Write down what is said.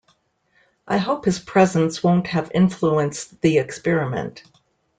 I hope his presence won't have influenced the experiment.